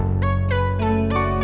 aku masih sayang badamu